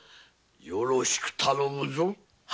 よろしく頼むぞ。